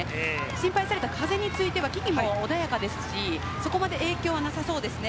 心配された風については、穏やかですし、そこまで影響はなさそうですね。